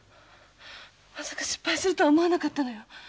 まさか失敗するとは思わなかったのよ。